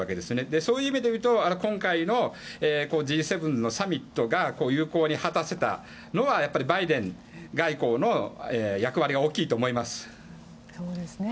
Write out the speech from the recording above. そういう意味で言うと今回のＧ７のサミットが有効に果たせたのはバイデン外交の役割が大きいと思います。